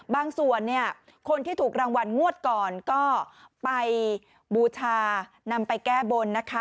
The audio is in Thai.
ส่วนเนี่ยคนที่ถูกรางวัลงวดก่อนก็ไปบูชานำไปแก้บนนะคะ